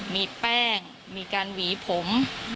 มีแป้งมีการหวีผม